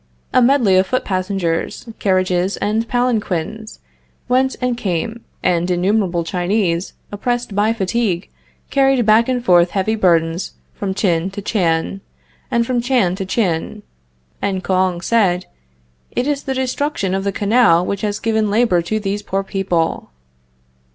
A medley of foot passengers, carriages and palanquins went and came, and innumerable Chinese, oppressed by fatigue, carried back and forth heavy burdens from Tchin to Tchan, and from Tchan to Tchin, and Kouang said: It is the destruction of the canal which has given labor to these poor people.